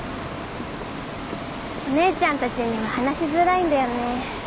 お姉ちゃんたちには話しづらいんだよね。